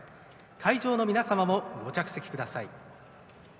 会場の皆様もご着席ください。